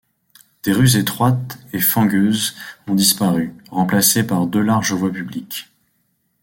Des rues étroites et fangeuses ont disparu, remplacées par deux larges voies publiques.